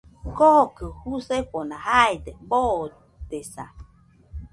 Kokɨ jusefona jaide boodesa.